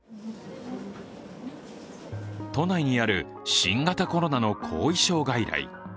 都内にある新型コロナの後遺症外来。